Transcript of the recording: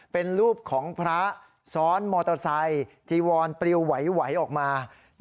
เป็นรูปของพระซ้อนมอเตอร์ไซค์จีวอนปลิวไหวออกมา